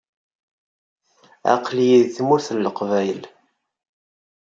Aql-iyi deg Tmurt n Leqbayel.